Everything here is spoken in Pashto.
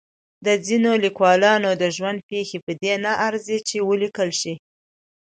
د ځینو لیکوالانو د ژوند پېښې په دې نه ارزي چې ولیکل شي.